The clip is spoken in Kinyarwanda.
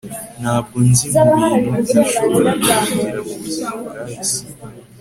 ntabwo nzi mubintu nashoboraga kugira mubuzima bwahise